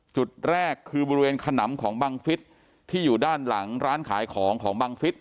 จุดแรกคือบริเวณขนำของบังฟิศที่อยู่ด้านหลังร้านขายของของบังฟิศ